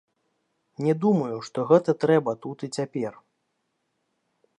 Не думаю, што гэта трэба тут і цяпер.